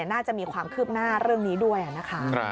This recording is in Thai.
น่าจะมีความคืบหน้าเรื่องนี้ด้วยนะคะ